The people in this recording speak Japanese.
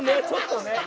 ちょっとね。